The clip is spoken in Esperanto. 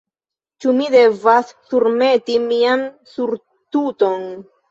Ĉu mi devas surmeti mian surtuton?